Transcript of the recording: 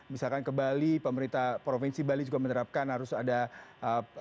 misalkan ke bali pemerintah provinsi bali juga menerapkan harus ada protokol